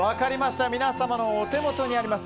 皆様のお手元にあります